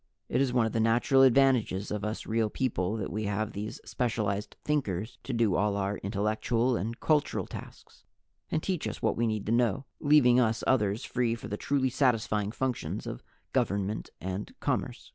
It is one of the natural advantages of us Real People that we have these specialized Thinkers to do all our intellectual and cultural tasks and teach us what we need to know, leaving us others free for the truly satisfying functions of government and commerce.